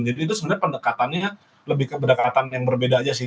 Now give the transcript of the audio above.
jadi itu sebenarnya pendekatannya lebih ke pendekatan yang berbeda aja sih